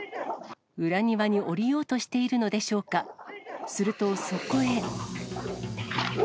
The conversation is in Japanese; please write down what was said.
裏庭に下りようとしているのでしょうか、すると、そこへ。